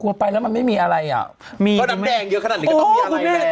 กลัวไปแล้วมันไม่มีอะไรอ่ะมีเพราะดับแดงเยอะขนาดนี้ก็ต้องมีอะไรแม่